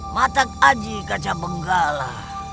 matak aji kacabenggala